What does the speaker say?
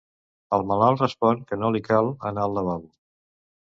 El malalt respon que no li cal anar al lavabo.